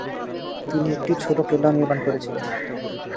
তিনি একটি ছোট কেল্লাও নির্মাণ করেছিলেন।